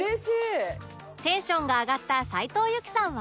テンションが上がった斉藤由貴さんは